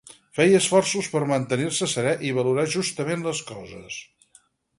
Feia esforços per mantenir-me serè i valorar justament les coses.